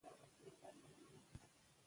مېلې د خلکو د ګډ ژوند له پاره یو مهم فرصت دئ.